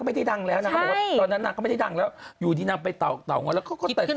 ไม่โอที่จิ๊นเขาได้แต่ตรงนั้นเลยเขาไปขอตรงนั้น